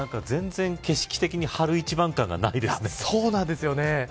全然景色的に春一番感がないですね。